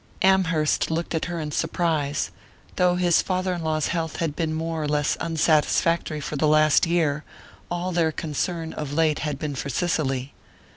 Amherst looked at her in surprise. Though his father in law's health had been more or less unsatisfactory for the last year, all their concern, of late, had been for Cicely.